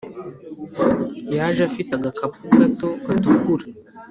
Yaje afite agakapu gato gatukura